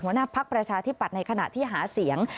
หัวหน้าภักดิ์ประชาธิปัตย์ในขณะที่หาเสียง